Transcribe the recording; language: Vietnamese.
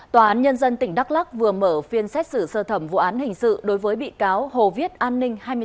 tòa án nhân dân tỉnh đắk lắc vừa mở phiên xét xử sơ thẩm vụ án hình sự đối với bị cáo hồ viết an ninh